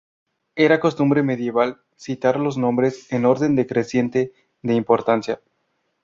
Era costumbre medieval citar los nombres, en orden decreciente de importancia.